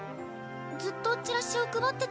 ずっとチラシを配ってたの？